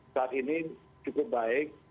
saat ini cukup baik